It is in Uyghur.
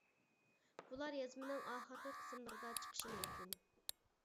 بۇلار يازمىنىڭ ئاخىرقى قىسىملىرىدا چىقىشى مۇمكىن.